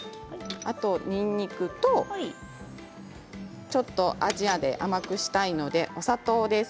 あと、にんにくとちょっとアジアで甘くしたいのでお砂糖です。